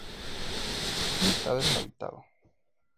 Está deshabitado.